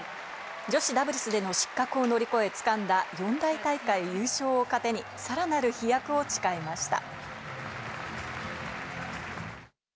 女子ダブルスでの失格を乗り越え掴んだ四大大会優勝を糧にさらなる飛躍を誓いました。